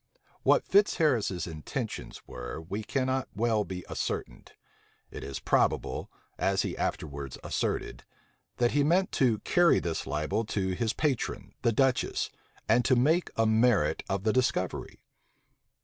What Fitzharris's intentions were, cannot well be ascertained: it is probable, as he afterwards asserted, that he meant to carry this libel to his patron, the duchess, and to make a merit of the discovery.